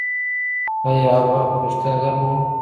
آیا هلوا په رښتیا ګرمه وه؟